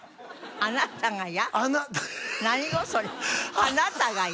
あなたがや。